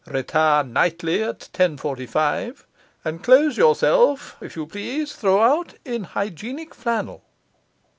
Retire nightly at 10.45; and clothe yourself (if you please) throughout in hygienic flannel.